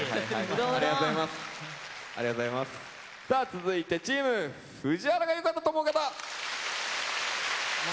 続いてチーム藤原が良かったと思う方！